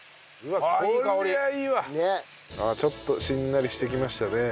あっちょっとしんなりしてきましたね。